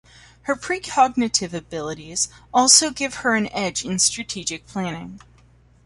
Her precognitive abilities also give her an edge in strategic planning.